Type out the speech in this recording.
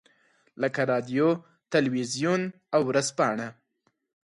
لکه رادیو، تلویزیون او ورځپاڼه.